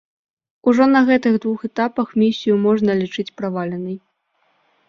Ужо на гэтых двух этапах місію можна лічыць праваленай.